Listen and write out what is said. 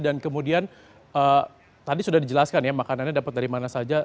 kemudian tadi sudah dijelaskan ya makanannya dapat dari mana saja